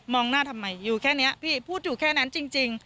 หน้าทำไมอยู่แค่นี้พี่พูดอยู่แค่นั้นจริง